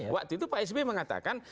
waktu itu pak sby mengatakan